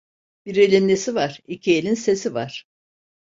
Bir elin nesi var, iki elin sesi var.